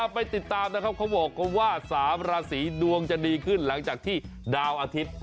ไปติดตามนะครับเขาบอกกันว่า๓ราศีดวงจะดีขึ้นหลังจากที่ดาวอาทิตย์